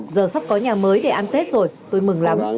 giờ sắp có nhà mới để ăn tết rồi tôi mừng lắm